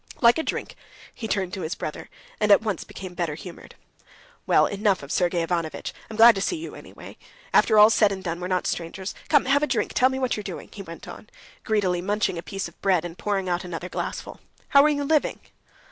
"Like a drink?" he turned to his brother, and at once became better humored. "Well, enough of Sergey Ivanovitch. I'm glad to see you, anyway. After all's said and done, we're not strangers. Come, have a drink. Tell me what you're doing," he went on, greedily munching a piece of bread, and pouring out another glassful. "How are you living?"